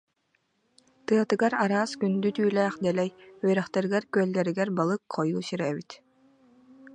Тыатыгар араас күндү түүлээх дэлэй, үрэхтэригэр-күөллэригэр балык хойуу сирэ эбит